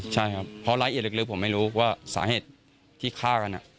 ใช่ครับเพราะรายละเอียดลึกผมไม่รู้ว่าสาเหตุที่ฆ่ากัน